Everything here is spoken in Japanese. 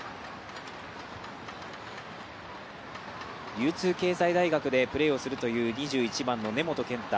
流通経済大学でプレーをするという２１番の根本健太。